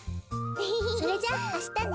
それじゃあしたね！